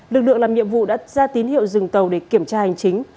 lực lượng làm nhiệm vụ đã ra tín hiệu dừng tàu để kiểm tra hành chính